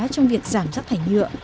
trong việc giảm rác thải nhựa